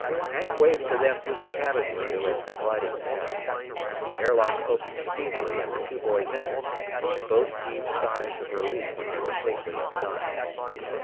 Hank waved to them through the cabin window as they glided past. The air lock opened speedily and the two boys entered. Both heaved sighs of relief when they were safely inside.